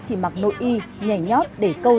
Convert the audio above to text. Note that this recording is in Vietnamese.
chỉ mặc nội y nhảy nhót để câu